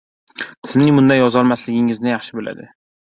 Sizning bunday yozolmasligingizni yaxshi biladi!